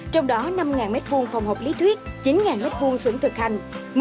trong đó năm m hai phòng hộp lý thuyết chín m hai xưởng thực hành